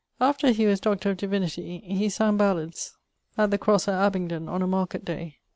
After he was D. of Divinity, he sang ballads at the Crosse at Abingdon on a market day.